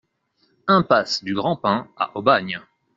Impasse du Grand Pin à Aubagne